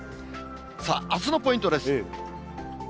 さあ、あすのポイントです。